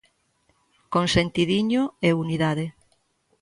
"Con sentidiño e unidade".